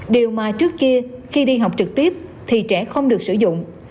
điều mà trước kia khi đi học trực tiếp thì trẻ không được sử dụng